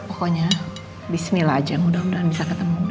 pokoknya disini lah aja mudah mudahan bisa ketemu